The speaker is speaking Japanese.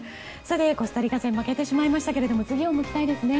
コスタリカ戦負けてしまいましたけれど次を向きたいですね。